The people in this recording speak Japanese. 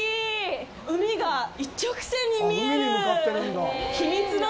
海が一直線に見える！